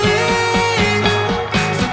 aku mau ngeliatin apaan